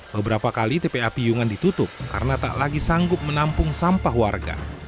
beberapa kali tpa piyungan ditutup karena tak lagi sanggup menampung sampah warga